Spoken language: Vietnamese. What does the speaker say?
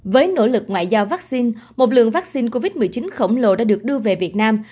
với nỗ lực ngoại giao vaccine một lượng vaccine covid một mươi chín khổng lồ đã được đưa về việt nam